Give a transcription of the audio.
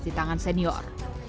di tangan senior